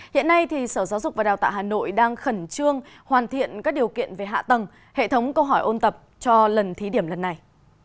hiện nay sở giáo dục và đào tạo hà nội đang khẩn trương hoàn thiện các điều kiện về hạ tầng hệ thống câu hỏi ôn tập cho lần thí điểm lần này